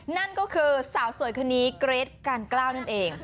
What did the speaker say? นั่นก็คือสาวสวยคนนี้เกรทการกล้าวนั่นเอง